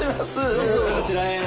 どうぞこちらへ。